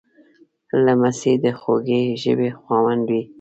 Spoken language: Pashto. لمسی د خوږې ژبې خاوند وي.